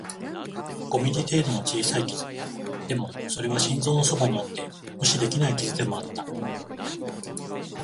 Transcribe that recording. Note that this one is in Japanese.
五ミリ程度の小さい傷、でも、それは心臓のそばにあって無視できない傷でもあった